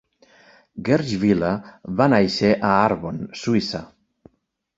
Gerschwiler va néixer a Arbon, Suïssa.